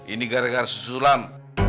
ini gara gara susulam